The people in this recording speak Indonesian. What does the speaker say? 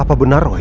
apa benar roy